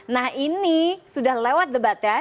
nah ini sudah lewat debatnya